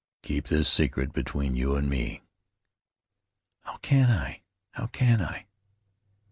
"Keep this secret between you an' me." "How can I? How can I?"